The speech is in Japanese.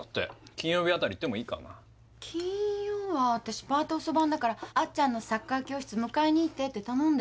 金曜は私パート遅番だからあっちゃんのサッカー教室迎えに行ってって頼んだよね？